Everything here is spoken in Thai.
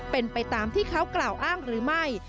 เป็นไปตามที่เขากล่าวอ้างก็ได้